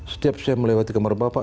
setiap saya melewati kamar bapak